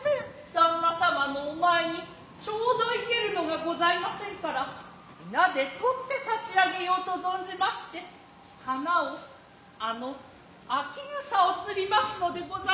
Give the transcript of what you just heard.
旦那様の御前に丁ど活けるのがございませんから皆で取つて差上げようと存じまして花をあの秋草を釣りますのでございますよ。